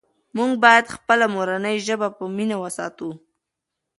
موږ باید خپله مورنۍ ژبه په مینه وساتو.